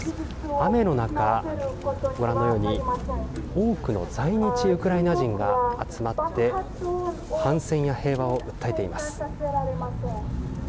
雨の中ご覧のように多くの在日ウクライナ人が集まって反戦や平和を訴えています。